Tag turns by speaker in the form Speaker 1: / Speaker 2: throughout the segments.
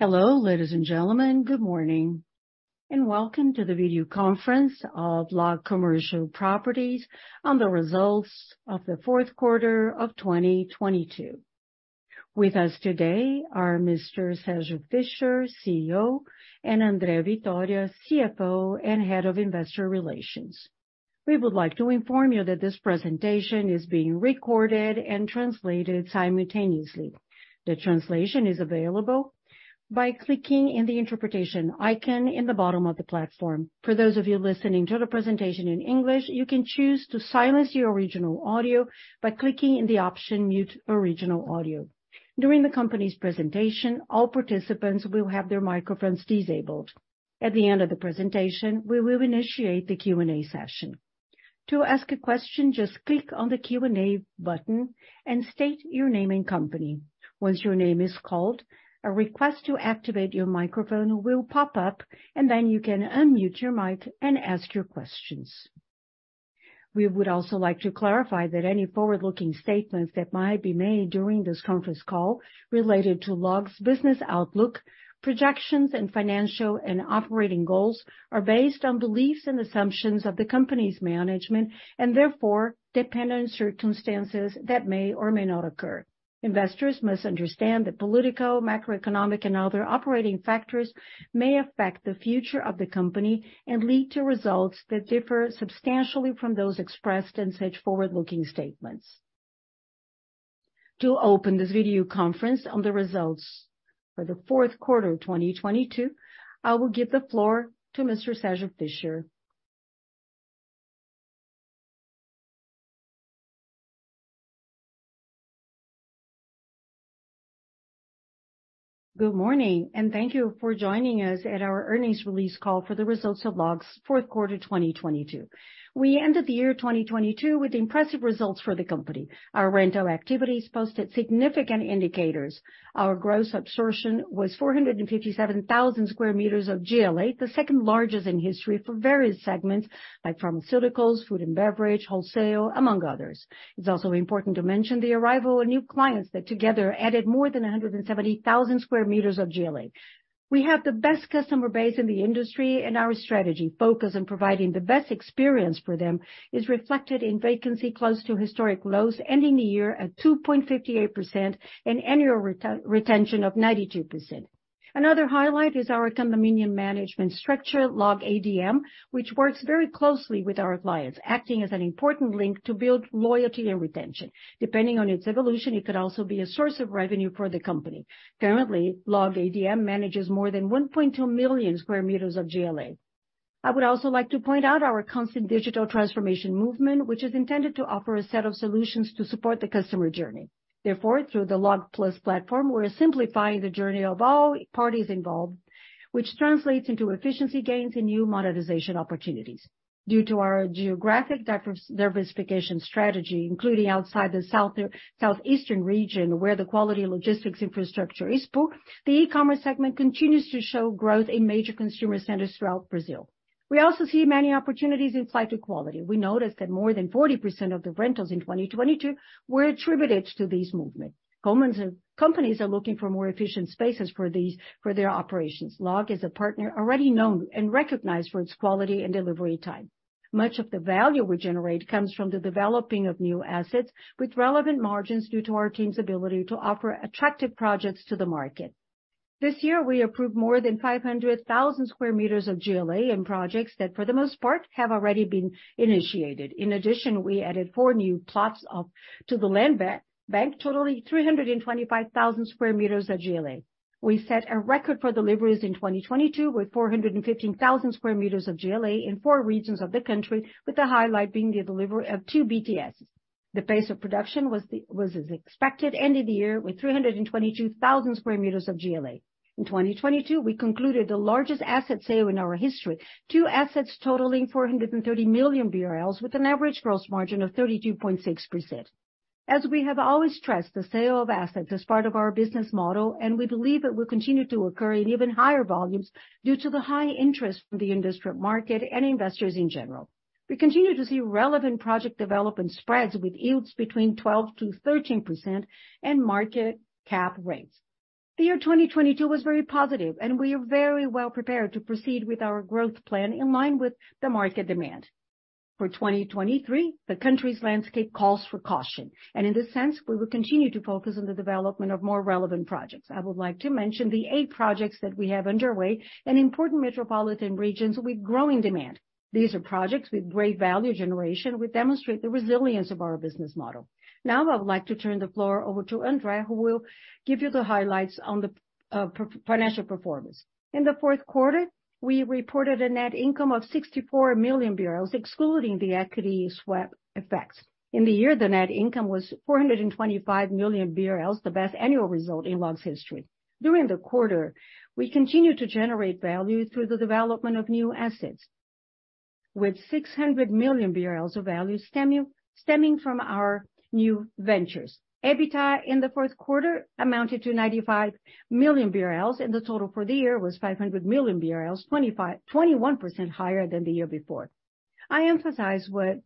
Speaker 1: Hello, ladies and gentlemen. Good morning, and welcome to the video conference of LOG Commercial Properties on the results of the fourth quarter of 2022. With us today are Mr. Sérgio Fischer, CEO, and André Vitória, CFO and Head of Investor Relations. We would like to inform you that this presentation is being recorded and translated simultaneously. The translation is available by clicking in the interpretation icon in the bottom of the platform. For those of you listening to the presentation in English, you can choose to silence your original audio by clicking the option Mute Original Audio. During the company's presentation, all participants will have their microphones disabled. At the end of the presentation, we will initiate the Q&A session. To ask a question, just click on the Q&A button and state your name and company. Once your name is called, a request to activate your microphone will pop up, and then you can unmute your mic and ask your questions. We would also like to clarify that any forward-looking statements that might be made during this conference call related to LOG's business outlook, projections, and financial and operating goals are based on beliefs and assumptions of the company's management and therefore depend on circumstances that may or may not occur. Investors must understand that political, macroeconomic, and other operating factors may affect the future of the company and lead to results that differ substantially from those expressed in such forward-looking statements. To open this video conference on the results for the fourth quarter of 2022, I will give the floor to Mr. Sérgio Fischer.
Speaker 2: Good morning. Thank you for joining us at our earnings release call for the results of LOG's fourth quarter 2022. We ended the year 2022 with impressive results for the company. Our rental activities posted significant indicators. Our gross absorption was 457,000 square meters of GLA, the second-largest in history for various segments like pharmaceuticals, food and beverage, wholesale, among others. It's also important to mention the arrival of new clients that together added more than 170,000 square meters of GLA. We have the best customer base in the industry. Our strategy focused on providing the best experience for them is reflected in vacancy close to historic lows, ending the year at 2.58% and annual retention of 92%. Another highlight is our condominium management structure, LOG Adm, which works very closely with our clients, acting as an important link to build loyalty and retention. Depending on its evolution, it could also be a source of revenue for the company. Currently, LOG Adm manages more than 1.2 million sq m of GLA. I would also like to point out our constant digital transformation movement, which is intended to offer a set of solutions to support the customer journey. Through the Log+ platform, we're simplifying the journey of all parties involved, which translates into efficiency gains and new monetization opportunities. Due to our geographic diversification strategy, including outside the South, Southeastern region, where the quality logistics infrastructure is poor, the e-commerce segment continues to show growth in major consumer centers throughout Brazil. We also see many opportunities in site quality. We noticed that more than 40% of the rentals in 2022 were attributed to this movement. Companies are looking for more efficient spaces for their operations. LOG is a partner already known and recognized for its quality and delivery time. Much of the value we generate comes from the developing of new assets with relevant margins due to our team's ability to offer attractive projects to the market. This year, we approved more than 500,000 square meters of GLA in projects that, for the most part, have already been initiated. In addition, we added 4 new plots to the land bank, totaling 325,000 square meters of GLA. We set a record for deliveries in 2022, with 415,000 square meters of GLA in 4 regions of the country, with the highlight being the delivery of 2 BTS. The pace of production was as expected, ending the year with 322,000 square meters of GLA. In 2022, we concluded the largest asset sale in our history, 2 assets totaling 430 million BRL with an average gross margin of 32.6%. As we have always stressed, the sale of assets is part of our business model. We believe it will continue to occur in even higher volumes due to the high interest from the industrial market and investors in general. We continue to see relevant project development spreads with yields between 12%-13% and market cap rates. The year 2022 was very positive. We are very well prepared to proceed with our growth plan in line with the market demand. For 2023, the country's landscape calls for caution. In this sense, we will continue to focus on the development of more relevant projects. I would like to mention the eight projects that we have underway in important metropolitan regions with growing demand. These are projects with great value generation, which demonstrate the resilience of our business model. I would like to turn the floor over to André, who will give you the highlights on the financial performance.
Speaker 3: In the 4th quarter, we reported a net income of 64 million BRL, excluding the equity swap effects. In the year, the net income was 425 million BRL, the best annual result in LOG's history. During the quarter, we continued to generate value through the development of new assets, with 600 million of value stemming from our new ventures. EBITDA in the fourth quarter amounted to 95 million BRL, and the total for the year was 500 million BRL, 21% higher than the year before. I emphasize what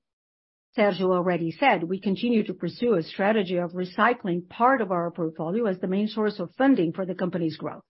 Speaker 3: Sérgio already said, we continue to pursue a strategy of recycling part of our portfolio as the main source of funding for the company's growth.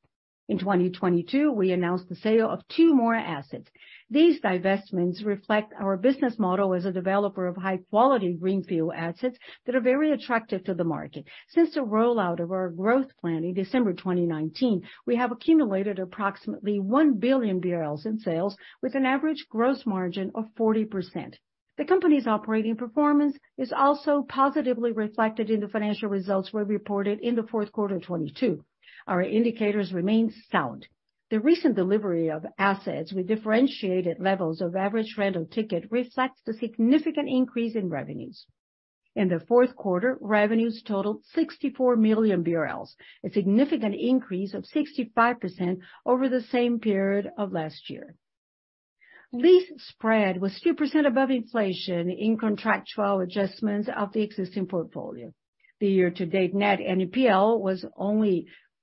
Speaker 3: In 2022, we announced the sale of two more assets. These divestments reflect our business model as a developer of high quality greenfield assets that are very attractive to the market. Since the rollout of our growth plan in December 2019, we have accumulated approximately 1 billion BRL in sales with an average gross margin of 40%. The company's operating performance is also positively reflected in the financial results we reported in the fourth quarter of 2022. Our indicators remain sound. The recent delivery of assets with differentiated levels of average rental ticket reflects the significant increase in revenues. In the fourth quarter, revenues totaled 64 million BRL, a significant increase of 65% over the same period of last year. Lease spread was 2% above inflation in contractual adjustments of the existing portfolio.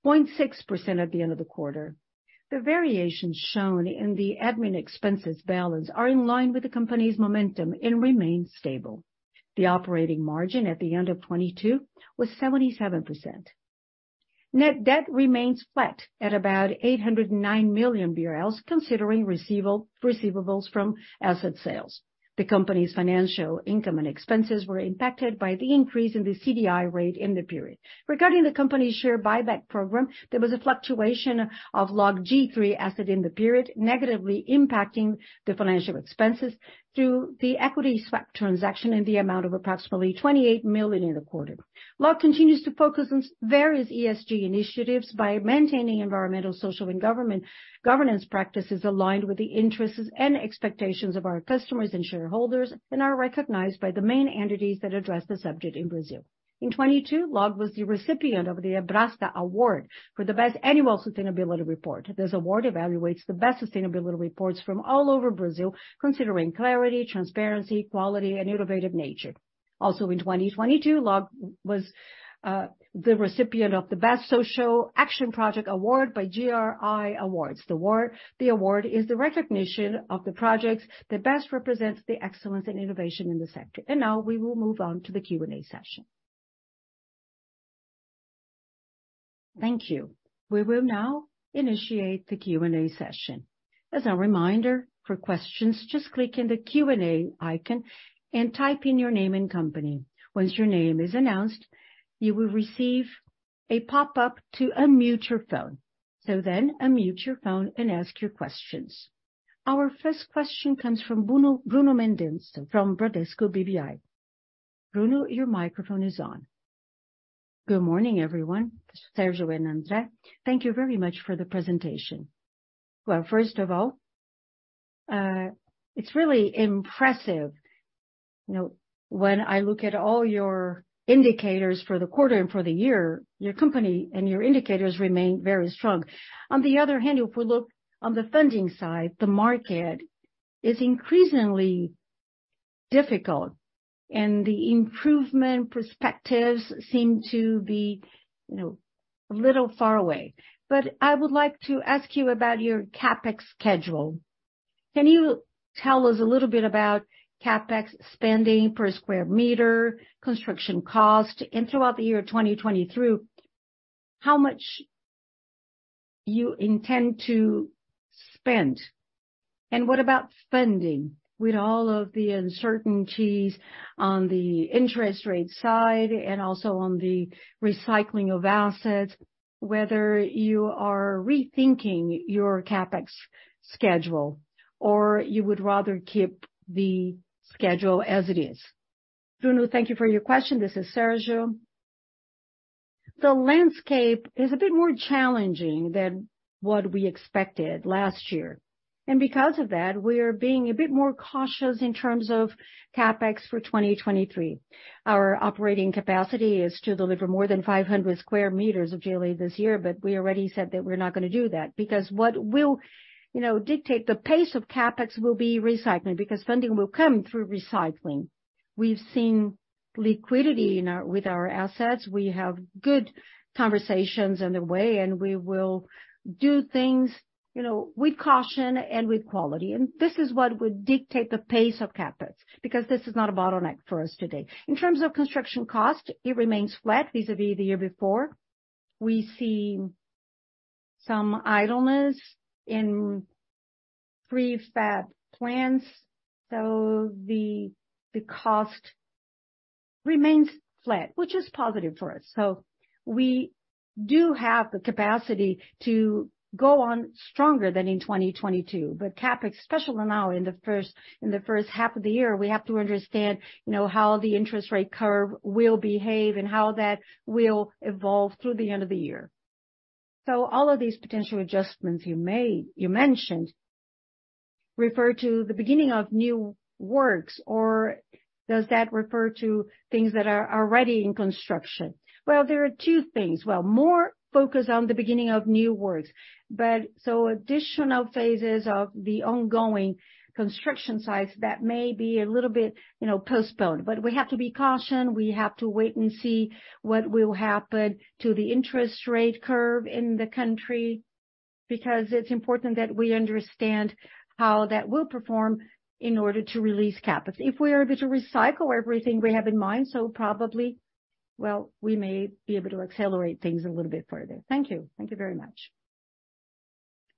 Speaker 3: The year-to-date net NPL was only 0.6% at the end of the quarter. The variations shown in the admin expenses balance are in line with the company's momentum and remain stable. The operating margin at the end of 2022 was 77%. Net debt remains flat at about 809 million BRL, considering receivables from asset sales. The company's financial income and expenses were impacted by the increase in the CDI rate in the period. Regarding the company's share buyback program, there was a fluctuation of LOGG3 asset in the period, negatively impacting the financial expenses through the equity swap transaction in the amount of approximately 28 million in the quarter. LOG continues to focus on various ESG initiatives by maintaining environmental, social, and governance practices aligned with the interests and expectations of our customers and shareholders, and are recognized by the main entities that address the subject in Brazil. In 2022, LOG was the recipient of the Abrasce Award for the best annual sustainability report. This award evaluates the best sustainability reports from all over Brazil, considering clarity, transparency, quality and innovative nature. In 2022, LOG was the recipient of the Best Social Action Project Award by GRI Awards. The award is the recognition of the projects that best represents the excellence and innovation in the sector. Now we will move on to the Q&A session. Thank you.
Speaker 1: We will now initiate the Q&A session. As a reminder, for questions, just click in the Q&A icon and type in your name and company. Once your name is announced, you will receive a pop-up to unmute your phone. Unmute your phone and ask your questions. Our first question comes from Bruno Mendonça from Bradesco BBI. Bruno, your microphone is on.
Speaker 4: Good morning, everyone. Sérgio and André, thank you very much for the presentation. Well, first of all, it's really impressive, you know, when I look at all your indicators for the quarter and for the year, your company and your indicators remain very strong. If we look on the funding side, the market is increasingly difficult and the improvement perspectives seem to be, you know, a little far away. I would like to ask you about your CapEx schedule. Can you tell us a little bit about CapEx spending per square meter, construction cost, and throughout the year 2023, how much you intend to spend? What about funding? With all of the uncertainties on the interest rate side and also on the recycling of assets, whether you are rethinking your CapEx schedule or you would rather keep the schedule as it is.
Speaker 2: Bruno, thank you for your question. This is Sérgio. The landscape is a bit more challenging than what we expected last year. Because of that, we're being a bit more cautious in terms of CapEx for 2023. Our operating capacity is to deliver more than 500 square meters of GLA this year, but we already said that we're not gonna do that because what will, you know, dictate the pace of CapEx will be recycling, because funding will come through recycling. We've seen liquidity with our assets. We have good conversations underway, and we will do things, you know, with caution and with quality. This is what would dictate the pace of CapEx, because this is not a bottleneck for us today. In terms of construction cost, it remains flat vis-a-vis the year before. We see some idleness in prefab plants, so the cost remains flat, which is positive for us. We do have the capacity to go on stronger than in 2022. CapEx, especially now in the 1st half of the year, we have to understand, you know, how the interest rate curve will behave and how that will evolve through the end of the year. All of these potential adjustments you mentioned refer to the beginning of new works, or does that refer to things that are already in construction? Well, there are 2 things. Well, more focus on the beginning of new works. Additional phases of the ongoing construction sites, that may be a little bit, you know, postponed. We have to be caution. We have to wait and see what will happen to the interest rate curve in the country. Because it's important that we understand how that will perform in order to release capital. If we are able to recycle everything we have in mind, so probably, well, we may be able to accelerate things a little bit further. Thank you. Thank you very much.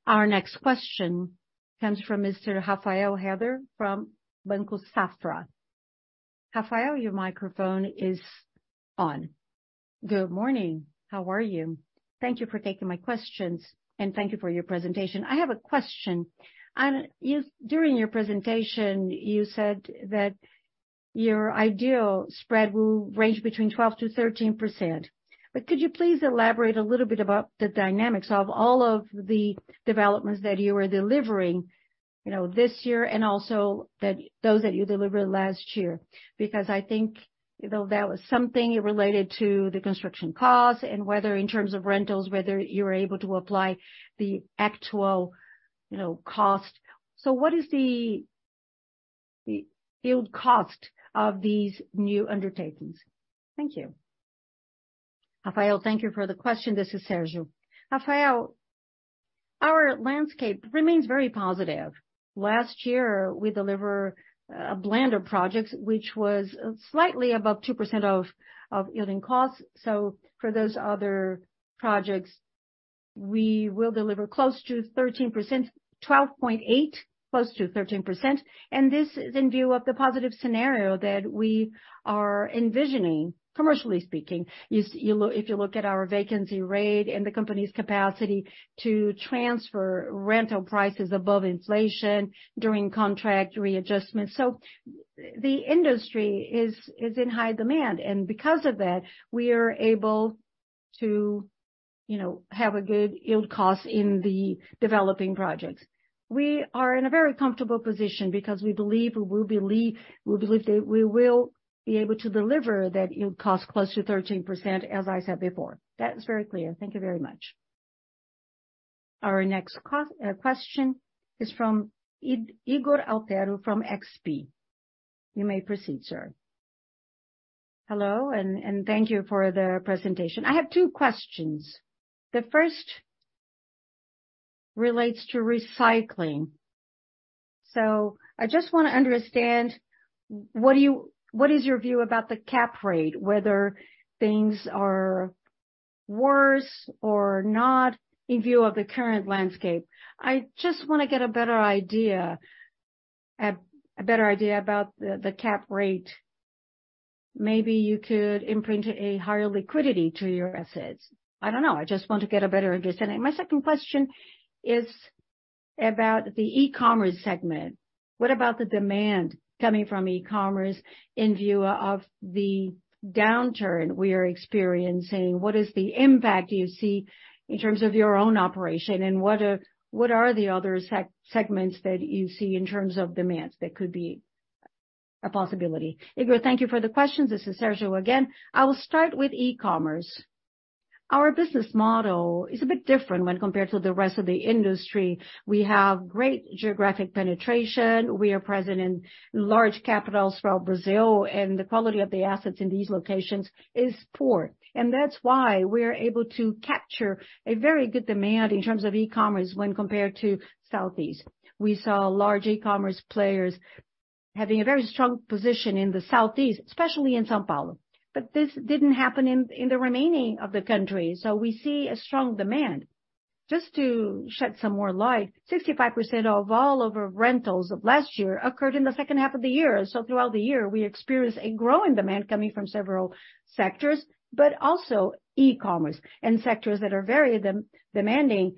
Speaker 1: Our next question comes from Mr. Rafael Rehder from Banco Safra. Rafael, your microphone is on.
Speaker 5: Good morning. How are you? Thank you for taking my questions, and thank you for your presentation. I have a question. During your presentation, you said that your ideal spread will range between 12%-13%. Could you please elaborate a little bit about the dynamics of all of the developments that you are delivering, you know, this year and also those that you delivered last year? I think, you know, that was something related to the construction cost and whether in terms of rentals, whether you're able to apply the actual, you know, cost. What is the yield cost of these new undertakings? Thank you.
Speaker 2: Rafael Rehder, thank you for the question. This is Sérgio. Rafael Rehder, our landscape remains very positive. Last year, we deliver a blend of projects which was slightly above 2% of yielding costs. For those other projects, we will deliver close to 13%, 12.8, close to 13%. This is in view of the positive scenario that we are envisioning, commercially speaking. If you look at our vacancy rate and the company's capacity to transfer rental prices above inflation during contract readjustment. The industry is in high demand, and because of that, we are able to, you know, have a good yield cost in the developing projects. We are in a very comfortable position because we believe that we will be able to deliver that yield cost close to 13%, as I said before. That is very clear. Thank you very much.
Speaker 1: Our next question is from Ygor Altero from XP. You may proceed, sir. Hello, and thank you for the presentation.
Speaker 6: I have two questions. The first relates to recycling. I just wanna understand, what is your view about the cap rate, whether things are worse or not in view of the current landscape? I just wanna get a better idea, a better idea about the cap rate. Maybe you could imprint a higher liquidity to your assets. I don't know. I just want to get a better understanding. My second question is about the e-commerce segment. What about the demand coming from e-commerce in view of the downturn we are experiencing? What is the impact you see in terms of your own operation, and what are the other segments that you see in terms of demands that could be a possibility?
Speaker 2: Ygor, thank you for the questions. This is Sérgio again. I will start with e-commerce. Our business model is a bit different when compared to the rest of the industry. We have great geographic penetration. We are present in large capitals throughout Brazil, and the quality of the assets in these locations is poor. That's why we are able to capture a very good demand in terms of e-commerce when compared to Southeast. We saw large e-commerce players having a very strong position in the Southeast, especially in São Paulo. This didn't happen in the remaining of the country, so we see a strong demand. Just to shed some more light, 65% of all of our rentals of last year occurred in the second half of the year. Throughout the year, we experienced a growing demand coming from several sectors, but also e-commerce. Sectors that are very demanding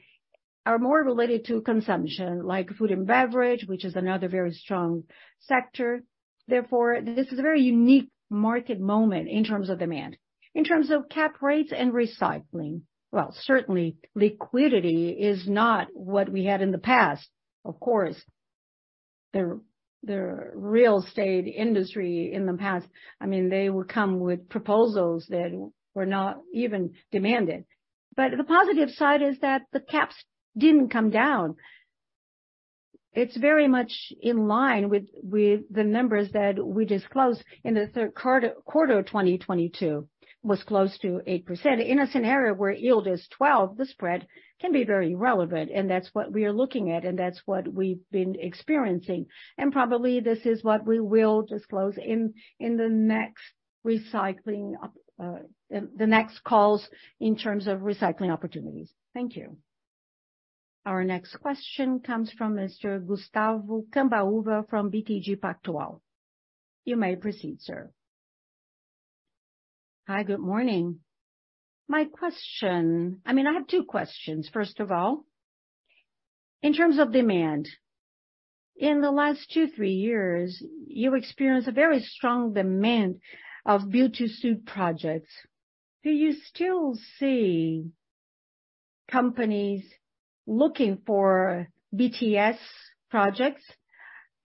Speaker 2: are more related to consumption, like food and beverage, which is another very strong sector. This is a very unique market moment in terms of demand. In terms of cap rates and recycling, well, certainly liquidity is not what we had in the past. Of course, the real estate industry in the past, I mean, they would come with proposals that were not even demanded. The positive side is that the caps didn't come down. It's very much in line with the numbers that we disclosed in the third quarter of 2022, was close to 8%. In a scenario where yield is 12, the spread can be very relevant, and that's what we are looking at, and that's what we've been experiencing. Probably this is what we will disclose in the next recycling, in the next calls in terms of recycling opportunities. Thank you. Our next question comes from Mr. Gustavo Cambauva from BTG Pactual. You may proceed, sir.
Speaker 7: Hi, good morning. I mean, I have two questions. First of all, in terms of demand, in the last two, three years, you experienced a very strong demand of build-to-suit projects. Do you still see companies looking for BTS projects?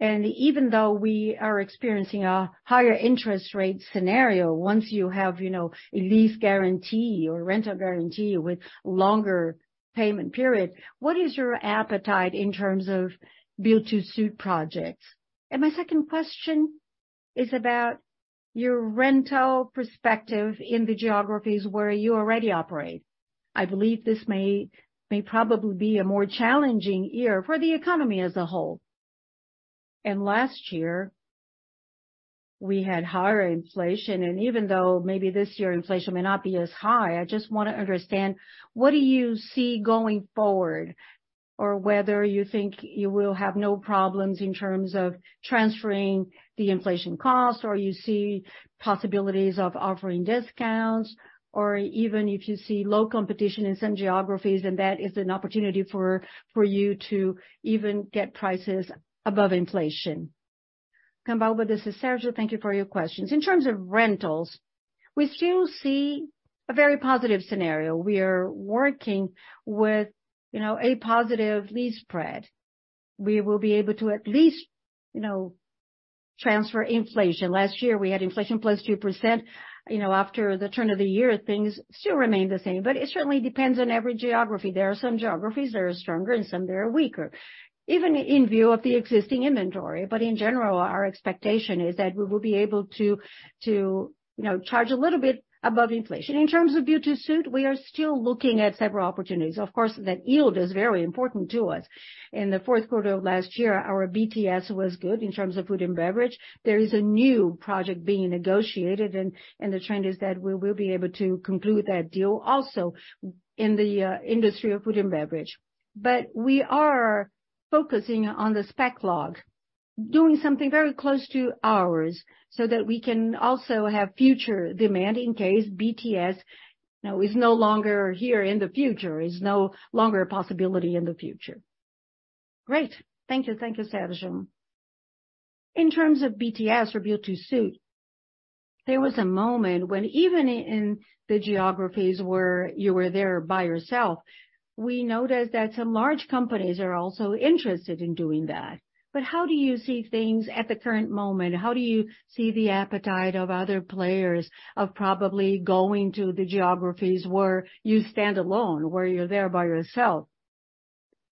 Speaker 7: Even though we are experiencing a higher interest rate scenario, once you have, you know, a lease guarantee or rental guarantee with longer payment period, what is your appetite in terms of build-to-suit projects? My second question is about your rental perspective in the geographies where you already operate. I believe this may probably be a more challenging year for the economy as a whole. Last year we had higher inflation, even though maybe this year inflation may not be as high, I just wanna understand, what do you see going forward? Whether you think you will have no problems in terms of transferring the inflation costs, or you see possibilities of offering discounts, or even if you see low competition in some geographies, that is an opportunity for you to even get prices above inflation.
Speaker 2: Cambauva, this is Sérgio. Thank you for your questions. In terms of rentals, we still see a very positive scenario. We are working with, you know, a positive lease spread. We will be able to at least, you know, transfer inflation. Last year, we had inflation plus 2%. You know, after the turn of the year, things still remain the same. It certainly depends on every geography. There are some geographies that are stronger, and some that are weaker, even in view of the existing inventory. In general, our expectation is that we will be able to, you know, charge a little bit above inflation. In terms of build-to-suit, we are still looking at several opportunities. Of course, that yield is very important to us. In the fourth quarter of last year, our BTS was good in terms of food and beverage. There is a new project being negotiated, and the trend is that we will be able to conclude that deal also in the industry of food and beverage. We are focusing on the spec LOG, doing something very close to ours, so that we can also have future demand in case BTS, you know, is no longer here in the future, is no longer a possibility in the future.
Speaker 7: Great. Thank you. Thank you, Sérgio. In terms of BTS or build-to-suit, there was a moment when even in the geographies where you were there by yourself, we noticed that some large companies are also interested in doing that. How do you see things at the current moment? How do you see the appetite of other players of probably going to the geographies where you stand alone, where you're there by yourself?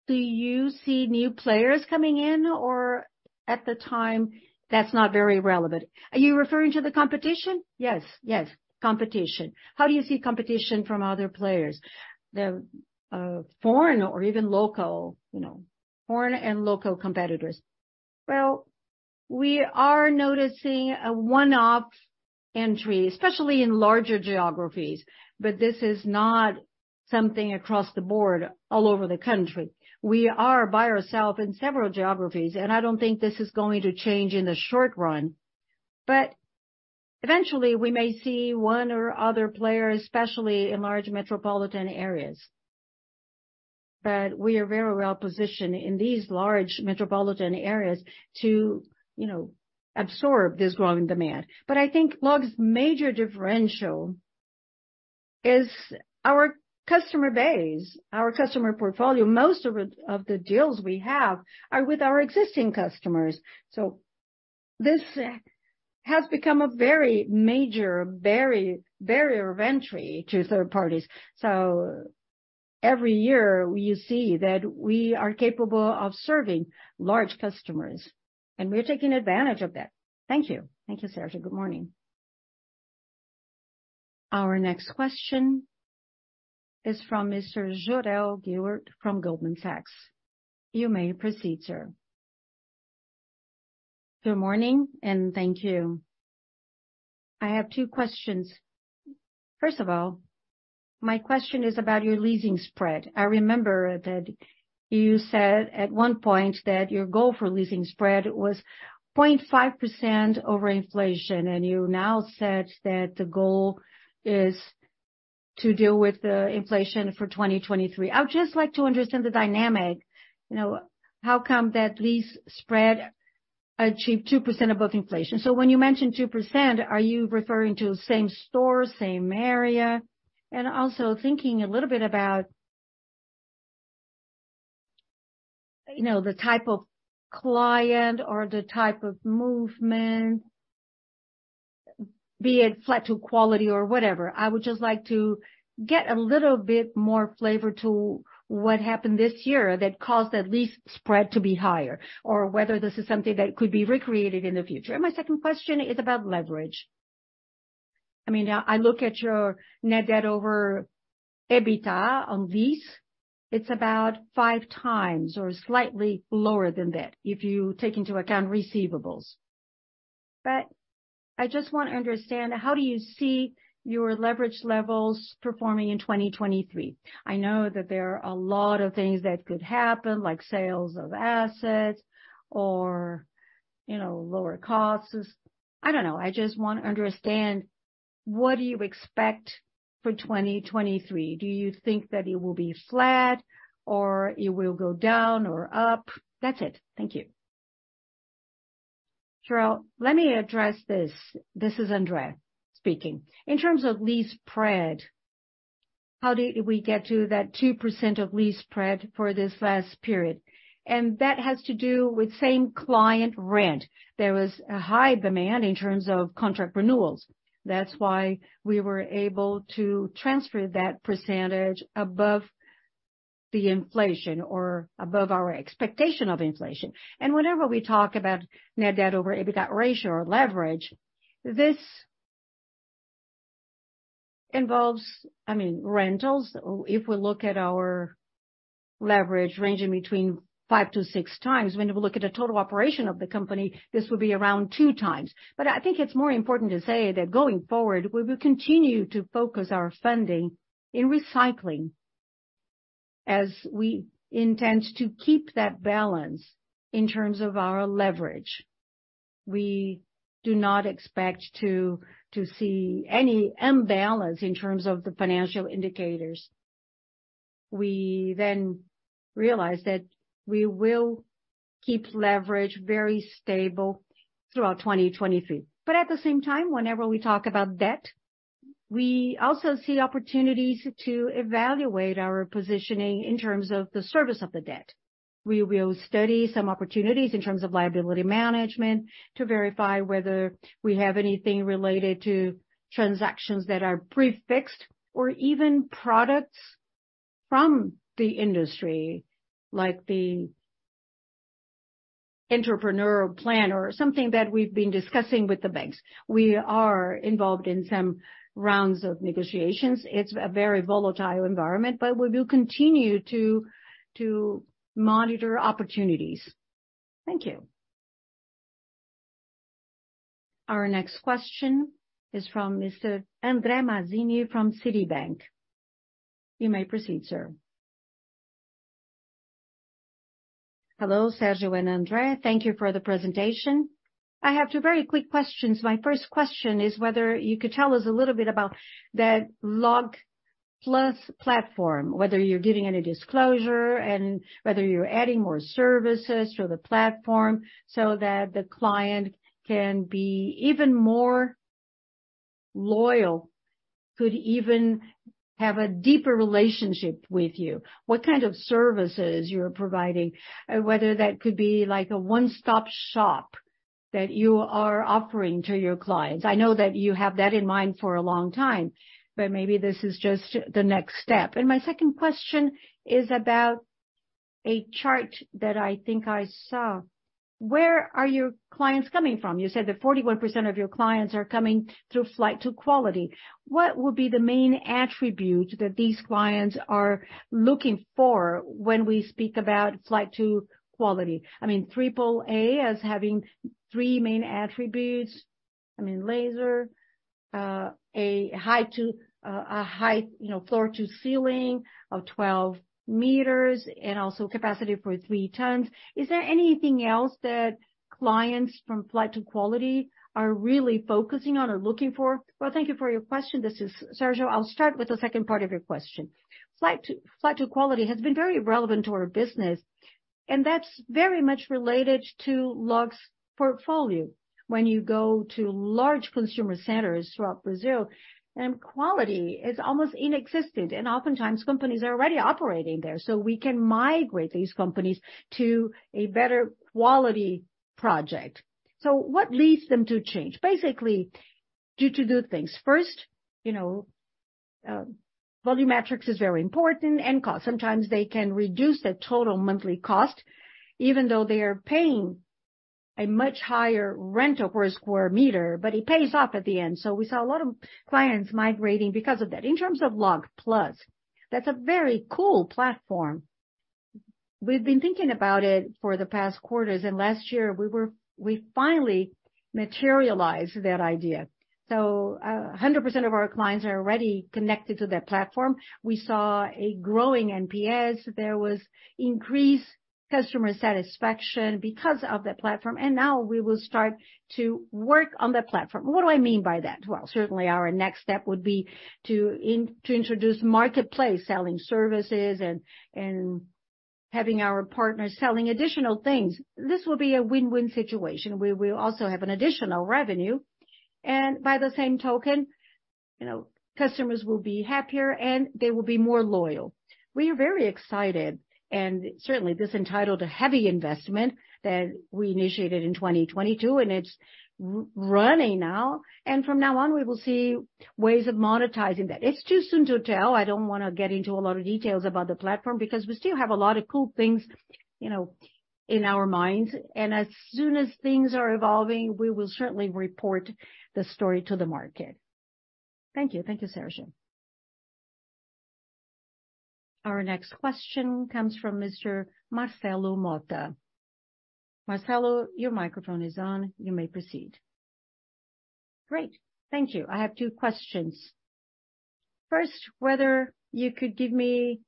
Speaker 2: Do you see new players coming in, or at the time that's not very relevant? Are you referring to the competition?
Speaker 7: Yes. Yes. Competition. How do you see competition from other players? The, foreign or even local, you know, foreign and local competitors.
Speaker 2: We are noticing a one-off entry, especially in larger geographies, but this is not something across the board all over the country. We are by ourself in several geographies, and I don't think this is going to change in the short run. Eventually, we may see one or other player, especially in large metropolitan areas. We are very well-positioned in these large metropolitan areas to, you know, absorb this growing demand. I think LOG's major differential is our customer base, our customer portfolio. Most of the deals we have are with our existing customers. This has become a very major barrier of entry to third parties. Every year, we see that we are capable of serving large customers, and we're taking advantage of that. Thank you.
Speaker 1: Thank you, Sérgio. Good morning. Our next question is from Mr. Jorell Guilbert from Goldman Sachs. You may proceed, sir.
Speaker 8: Good morning, thank you. I have two questions. First of all, my question is about your lease spread. I remember that you said at one point that your goal for lease spread was 0.5% over inflation, and you now said that the goal is to deal with the inflation for 2023. I would just like to understand the dynamic. You know, how come that lease spread achieved 2% above inflation? When you mention 2%, are you referring to same store, same area? Also thinking a little bit about, you know, the type of client or the type of movement, be it flight to quality or whatever. I would just like to get a little bit more flavor to what happened this year that caused that lease spread to be higher, or whether this is something that could be recreated in the future. My second question is about leverage. I mean, I look at your net debt over EBITDA on lease. It's about 5 times or slightly lower than that, if you take into account receivables. I just want to understand, how do you see your leverage levels performing in 2023? I know that there are a lot of things that could happen, like sales of assets or, you know, lower costs. I don't know. I just want to understand what do you expect for 2023. Do you think that it will be flat or it will go down or up? That's it. Thank you.
Speaker 3: Jorell, let me address this. This is André Vitória speaking. In terms of lease spread, how did we get to that 2% of lease spread for this last period? That has to do with same client rent. There was a high demand in terms of contract renewals. That's why we were able to transfer that percentage aboveThe inflation or above our expectation of inflation. Whenever we talk about net debt over EBITDA ratio or leverage, this involves, I mean, rentals. If we look at our leverage ranging between five-six times, when we look at the total operation of the company, this will be around two times. I think it's more important to say that going forward, we will continue to focus our funding in recycling as we intend to keep that balance in terms of our leverage. We do not expect to see any imbalance in terms of the financial indicators. We realize that we will keep leverage very stable throughout 2023. At the same time, whenever we talk about debt, we also see opportunities to evaluate our positioning in terms of the service of the debt. We will study some opportunities in terms of liability management to verify whether we have anything related to transactions that are prefixed or even products from the industry, like the entrepreneurial plan or something that we've been discussing with the banks. We are involved in some rounds of negotiations. It's a very volatile environment. We will continue to monitor opportunities. Thank you.
Speaker 1: Our next question is from Mr. Andre Mazzini from Citi. You may proceed, sir.
Speaker 9: Hello, Sérgio and André. Thank you for the presentation. I have two very quick questions. My first question is whether you could tell us a little bit about that Log+ platform, whether you're giving any disclosure and whether you're adding more services to the platform so that the client can be even more loyal, could even have a deeper relationship with you. What kind of services you're providing, whether that could be like a one-stop shop that you are offering to your clients. I know that you have that in mind for a long time, but maybe this is just the next step. My second question is about a chart that I think I saw. Where are your clients coming from? You said that 41% of your clients are coming through flight to quality. What would be the main attribute that these clients are looking for when we speak about flight to quality? I mean, triple-A as having three main attributes. I mean, laser, a high, you know, floor to ceiling of 12 meters and also capacity for three tons. Is there anything else that clients from flight to quality are really focusing on or looking for?
Speaker 2: Well, thank you for your question. This is Sérgio. I'll start with the second part of your question. Flight to quality has been very relevant to our business, and that's very much related to LOG's portfolio. When you go to large consumer centers throughout Brazil, quality is almost nonexistent, oftentimes companies are already operating there, we can migrate these companies to a better quality project. What leads them to change? Basically, due to do things. First, you know, volumetrics is very important and cost. Sometimes they can reduce the total monthly cost, even though they are paying a much higher rental per square meter, it pays off at the end. We saw a lot of clients migrating because of that. In terms of Log+, that's a very cool platform. We've been thinking about it for the past quarters, last year, we finally materialized that idea. 100% of our clients are already connected to that platform. We saw a growing NPS. There was increased customer satisfaction because of the platform. Now we will start to work on the platform. What do I mean by that? Well, certainly our next step would be to introduce marketplace, selling services and having our partners selling additional things. This will be a win-win situation. We will also have an additional revenue. By the same token, you know, customers will be happier, and they will be more loyal. We are very excited. Certainly this entitled a heavy investment that we initiated in 2022, and it's running now. From now on, we will see ways of monetizing that. It's too soon to tell. I don't wanna get into a lot of details about the platform because we still have a lot of cool things, you know, in our minds. As soon as things are evolving, we will certainly report the story to the market. Thank you.
Speaker 1: Thank you, Sérgio. Our next question comes from Mr. Marcelo Motta. Marcelo, your microphone is on. You may proceed.
Speaker 10: Great. Thank you. I have two questions. First, whether you could give me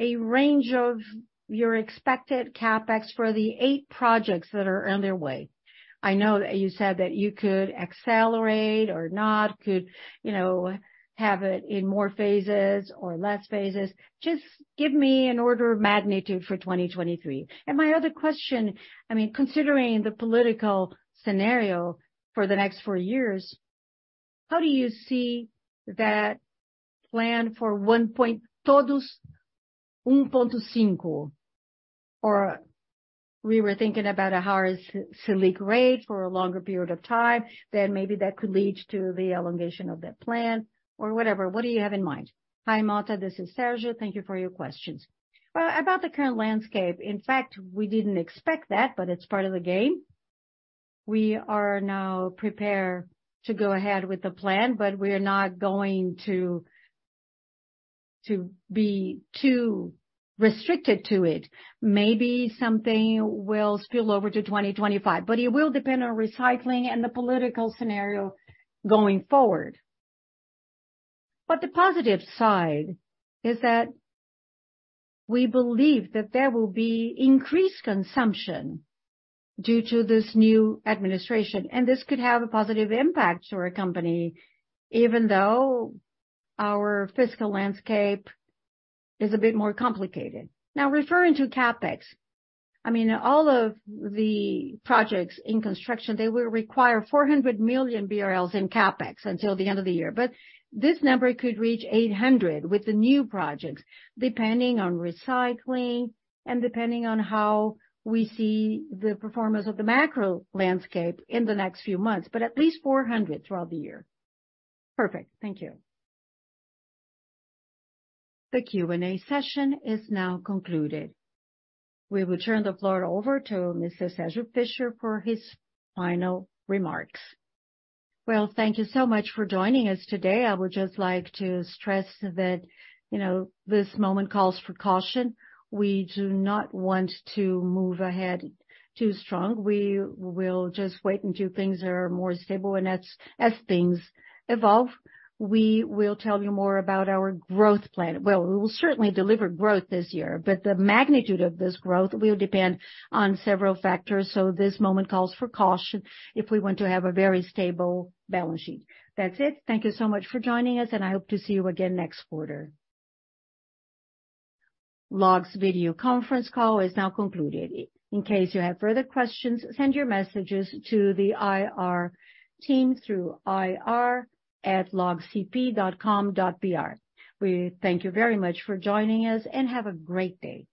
Speaker 10: a range of your expected CapEx for the eight projects that are on their way. I know that you said that you could accelerate or not, could, you know, have it in more phases or less phases. Just give me an order of magnitude for 2023. My other question, I mean, considering the political scenario for the next four years, how do you see that plan for one. Or we were thinking about a higher Selic rate for a longer period of time, then maybe that could lead to the elongation of that plan or whatever. What do you have in mind?
Speaker 2: Hi, Motta, this is Sérgio. Thank you for your questions. Well, about the current landscape, in fact, we didn't expect that, but it's part of the game. We are now prepared to go ahead with the plan, but we're not going to be too restricted to it. Maybe something will spill over to 2025, but it will depend on recycling and the political scenario going forward. The positive side is that we believe that there will be increased consumption due to this new administration, and this could have a positive impact to our company, even though our fiscal landscape is a bit more complicated. Now, referring to CapEx, I mean, all of the projects in construction, they will require 400 million BRL in CapEx until the end of the year. This number could reach 800 with the new projects, depending on recycling and depending on how we see the performance of the macro landscape in the next few months, but at least 400 throughout the year. Perfect. Thank you.
Speaker 1: The Q&A session is now concluded. We will turn the floor over to Mr. Sérgio Fischer for his final remarks.
Speaker 2: Thank you so much for joining us today. I would just like to stress that, you know, this moment calls for caution. We do not want to move ahead too strong. We will just wait until things are more stable, and as things evolve, we will tell you more about our growth plan. We will certainly deliver growth this year, but the magnitude of this growth will depend on several factors.
Speaker 1: This moment calls for caution if we want to have a very stable balance sheet. That's it. Thank you so much for joining us, and I hope to see you again next quarter. LOG's video conference call is now concluded. In case you have further questions, send your messages to the IR team through ir@logcp.com.br. We thank you very much for joining us and have a great day.